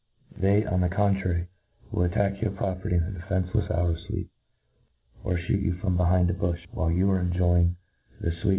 They, on the contrary J will attack your property in tte ^ defencelefs hour of fleep, or Ihoot you from be hind a bufh, while you are enjoying the fweet